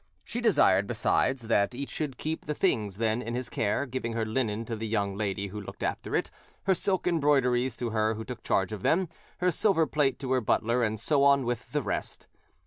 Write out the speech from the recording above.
She desired, besides, that each should keep the things then in his care, giving her linen to the young lady who looked after it, her silk embroideries to her who took charge of them, her silver plate to her butler, and so on with the rest.